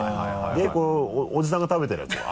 でこのおじさんが食べてるやつは？